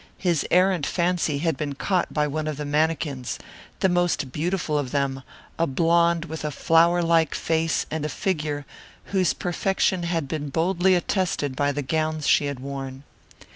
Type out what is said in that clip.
His errant fancy had been caught by one of the mannequins the most beautiful of them, a blonde with a flowerlike face and a figure whose perfection had been boldly attested by the gowns she had worn.